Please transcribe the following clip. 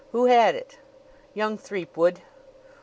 Who had it?" "Young Threepwood."